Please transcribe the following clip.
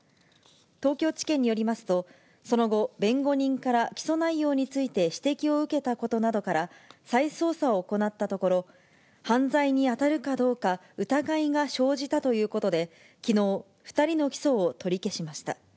東京地検によりますと、その後、弁護人から起訴内容について指摘を受けたことなどから、再捜査を行ったところ、犯罪に当たるかどうか疑いが生じたということで、きのう、２人の起訴を取り消しました。